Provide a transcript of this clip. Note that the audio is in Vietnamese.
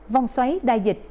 vòng xoáy đại dịch